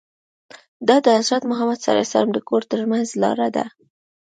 دا د حضرت محمد ص د کور ترمنځ لاره ده.